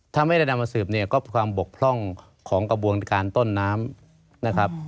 ถ้าไม่ได้นำมาสืบเนี่ยก็ความบกพร่องของกระบวนการต้นน้ำนะครับ